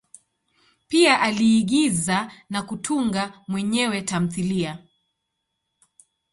Pia aliigiza na kutunga mwenyewe tamthilia.